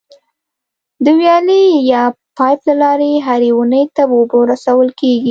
د ویالې یا پایپ له لارې هرې ونې ته اوبه رسول کېږي.